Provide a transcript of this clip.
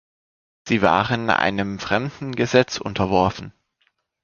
Sie waren einem fremden Gesetz unterworfen.